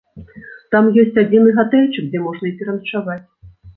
Там ёсць адзіны гатэльчык, дзе можна і пераначаваць.